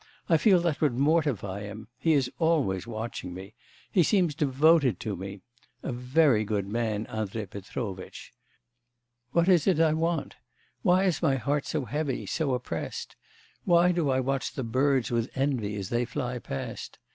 I feel that would mortify him. He is always watching me. He seems devoted to me. A very good man, Andrei Petrovitch.... What is it I want? Why is my heart so heavy, so oppressed? Why do I watch the birds with envy as they fly past?